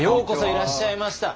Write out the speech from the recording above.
いらっしゃいませ。